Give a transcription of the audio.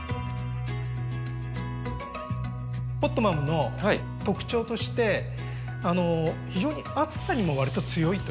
ポットマムの特徴として非常に暑さにもわりと強いということで。